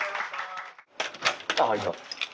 あっ開いた。